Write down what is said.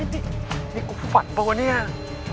นี่กูฝันป่ะวะเนี่ย